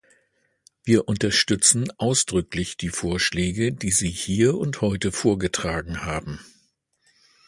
Wir unterstützen ausdrücklich die Vorschläge, die Sie hier und heute vorgetragen haben.